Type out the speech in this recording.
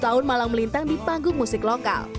tujuh tahun malam melintang di panggung musik lokal